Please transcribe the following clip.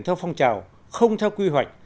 theo phong trào không theo quy hoạch